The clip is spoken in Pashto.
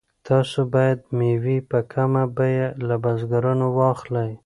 تاسو باید مېوې په کمه بیه له بزګرانو واخلئ.